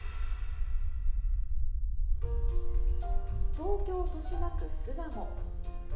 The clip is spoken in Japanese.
東京・豊島区巣鴨。